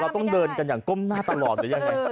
ต้องเดินกันอย่างก้มหน้าตลอดหรือยังไง